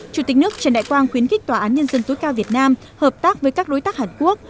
chủ tịch nước trần đại quang khuyến khích tòa án nhân dân tối cao việt nam hợp tác với các đối tác hàn quốc